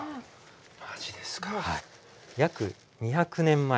２００年前。